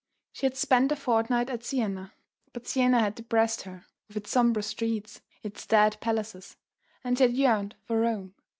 She had spent a fortnight at Siena, but Siena had depressed her, with its sombre streets, its dead palaces; and she had yearned for Rome.